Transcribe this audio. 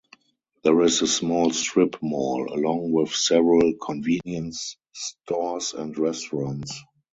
There is a small strip mall along with several convenience stores and restaurants.